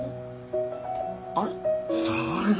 あれ？